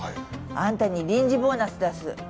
あんたに臨時ボーナス出す。